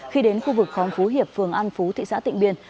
khi đến khu vực khóm phú hiệp phường an phú thị xã tịnh biên